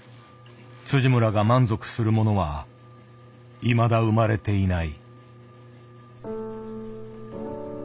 村が満足するものはいまだ生まれていない。